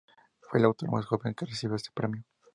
Fue el autor más joven que recibió este premio.